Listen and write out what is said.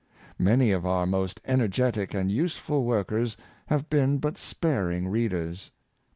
Many of our most energetic and useful workers have been but sparing readers.